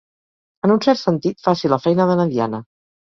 En un cert sentit, faci la feina de na Diana.